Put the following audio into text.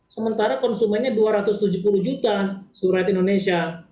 sementara konsumennya dua ratus tujuh puluh juta surayat indonesia